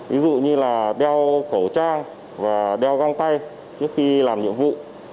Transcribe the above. ví dụ như là đeo khẩu trang và đeo găng tay trước khi làm nhiệm vụ